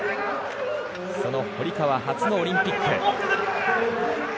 その堀川、初のオリンピック。